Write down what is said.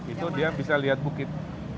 itu dia bisa lihat bukit